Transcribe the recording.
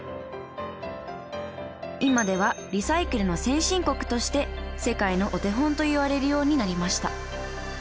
今ではリサイクルの先進国として世界のお手本といわれるようになりました。